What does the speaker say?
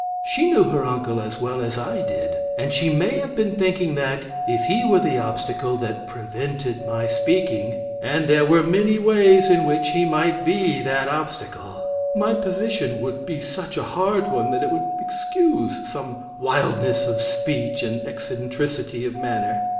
She knew her uncle as well as I did, and she may have been thinking that, if he were the obstacle that prevented my speaking (and there were many ways in which he might be that obstacle), my position would be such a hard one that it would excuse some wildness of speech and eccentricity of manner.